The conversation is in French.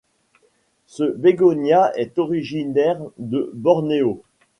Ce bégonia est originaire de Borneo.